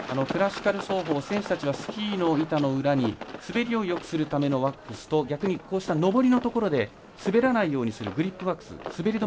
クラシカル走法選手たちはスキーの板の裏に滑りをよくするためのワックスと逆にこうした上りのところで滑らないようにするグリップワックス